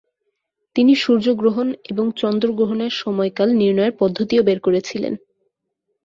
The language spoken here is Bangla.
তিনি সূর্য গ্রহণ এবং চন্দ্রগ্রহণের সময়কাল নির্ণয়ের পদ্ধতিও বের করেছিলেন।